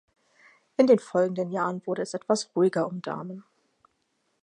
In den folgenden Jahren wurde es etwas ruhiger um Damen.